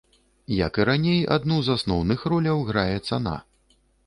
Як і раней, адну з асноўных роляў грае цана.